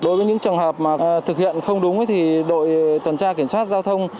đối với những trường hợp mà thực hiện không đúng thì đội tuần tra kiểm soát giao thông